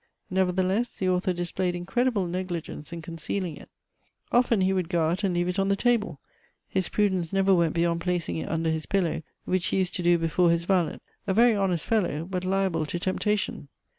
Nevertheless the author displayed incredible negligence in concealing it. Often he would go out and leave it on the table; his prudence never went beyond placing it under his pillow, which he used to do before his valet, a very honest fellow, but liable to temptation.